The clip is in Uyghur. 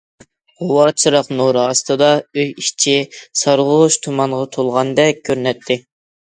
غۇۋا چىراغ نۇرى ئاستىدا، ئۆي ئىچى سارغۇچ تۇمانغا تولغاندەك كۆرۈنەتتى.